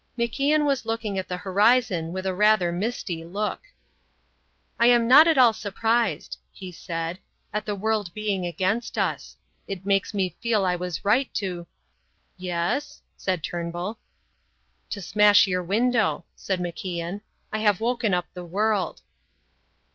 MacIan was looking at the horizon with a rather misty look. "I am not at all surprised," he said, "at the world being against us. It makes me feel I was right to " "Yes?" said Turnbull. "To smash your window," said MacIan. "I have woken up the world."